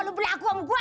lu beli aku sama gua